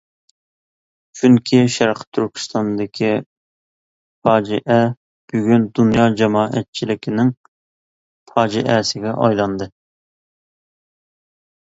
چۈنكى شەرقى تۈركىستاندىكى پاجىئە بۈگۈن دۇنيا جامائەتچىلىكىنىڭ پاجىئەسىگە ئايلاندى.